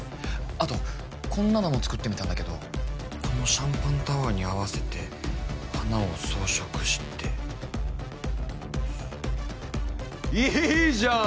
あとこんなのも作ってみたんだけどこのシャンパンタワーに合わせて花を装飾していいじゃん！